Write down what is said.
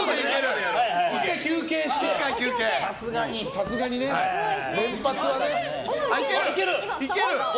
１回休憩して、さすがにね。いける？